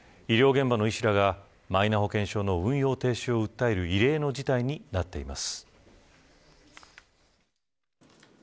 医療現場の医師らがマイナ保険証の運用停止を訴える異例の事態になっています。